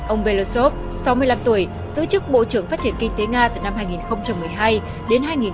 ông belosov sáu mươi năm tuổi giữ chức bộ trưởng phát triển kinh tế nga từ năm hai nghìn một mươi hai đến hai nghìn một mươi